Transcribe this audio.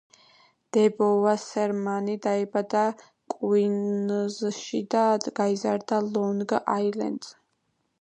დებო ვასერმანი დაიბადა კუინზში და გაიზარდა ლონგ-აილენდზე.